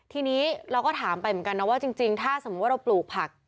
ทีนี้เราก็ถามไปเหมือนกันนะว่าจริงถ้าสมมุติว่าเราปลูกผัก